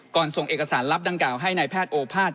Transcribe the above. ส่งเอกสารลับดังกล่าวให้นายแพทย์โอภาษ